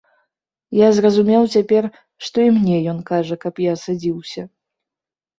Я зразумеў цяпер, што і мне ён кажа, каб я садзіўся.